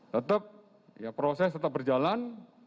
tetap ya proses tetap berjalan